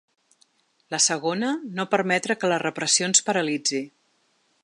La segona, no permetre que la repressió ens paralitzi.